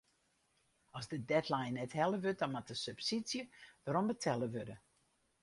As de deadline net helle wurdt dan moat de subsydzje werombetelle wurde.